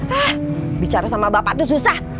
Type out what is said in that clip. hah bicara sama bapak tuh susah